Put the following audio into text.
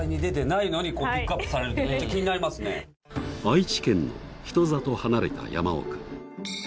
愛知県の人里離れた山奥。